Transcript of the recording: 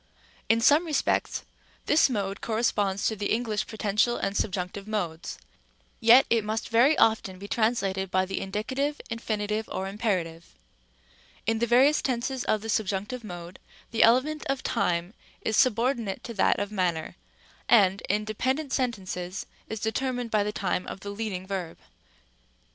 Rem. ὃ. In some respects, this mode corresponds to the English poten tial and subjunctive modes ; yet it must very often be translated by the indicative, infinitive, or imperative. Rem. c. In the various tenses of the subjunctive mode, the element of time is subordinate to that of manner, and, in dependent sentences, is determined by the time of the leading verb.